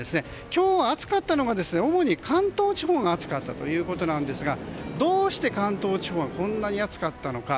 今日、暑かったのは主に関東地方なんですがどうして関東地方がこんなに暑かったのか。